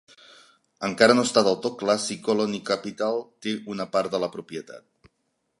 Encara no està del tot clar si Colony Capital té una part de la propietat.